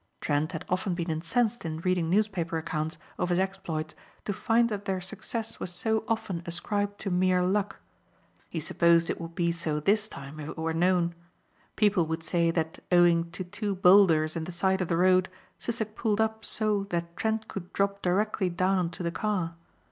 Trent had often been incensed in reading newspaper accounts of his exploits to find that their success was so often ascribed to mere luck. He supposed it would be so this time if it were known. People would say that owing to two boulders in the side of the road Sissek pulled up so that Trent could drop directly down on to the car.